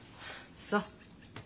そう。